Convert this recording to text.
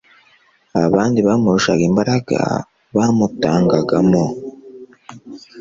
Abandi bamurusha imbaraga bamutangagamo.